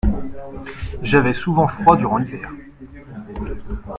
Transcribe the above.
J’avais souvent froid durant l’hiver.